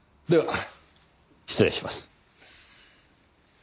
では。